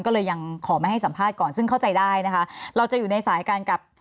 ก็เลยยังขอไม่ให้สัมภาษณ์ก่อนซึ่งเข้าใจได้นะคะเราจะอยู่ในสายการกับ